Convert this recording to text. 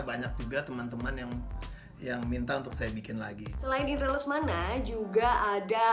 banyak juga teman teman yang yang minta untuk saya bikin lagi selain indra lesmana juga ada